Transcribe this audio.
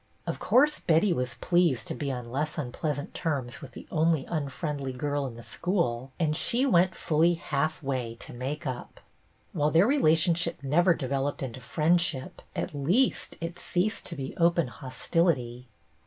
Of course Betty was pleased to be on less unpleasant terms with the only unfriendly girl in the school, and she went fully half way to make up. While their re lationshija never developed into friendship, at least it ceased to be open hostility.